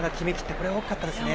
これは大きかったですよね。